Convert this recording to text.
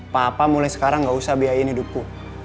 papa mulai sekarang gak usah biayain hidupku